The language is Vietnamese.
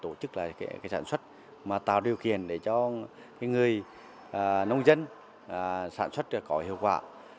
tổ chức là sản xuất mà tạo điều khiển để cho người nông dân sản xuất có hiệu quả